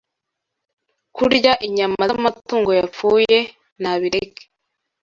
kurya inyama z’amatungo yapfuye nabireke